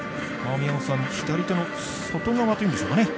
宮本さん、左手の外側というんでしょうかね。